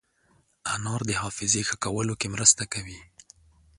انار د حافظې ښه کولو کې مرسته کوي.